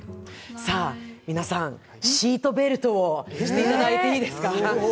さぁ皆さん、シートベルトをしていただいていいですか？